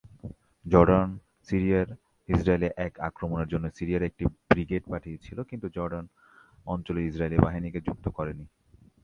Jordan সিরিয়ায় Israeli একক আক্রমণের জন্য সিরিয়ার একটি ব্রিগেড পাঠিয়েছিল কিন্তু জর্ডান অঞ্চলের ইজরায়েলি বাহিনীকে যুক্ত করে নি।